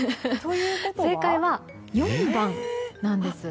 正解は、４番なんです。